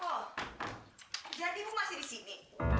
oh jadi ibu masih di sini